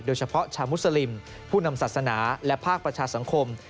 โดยเฉพาะชาวมุสลิมผู้นำศาสนาและภาคประชาสังคม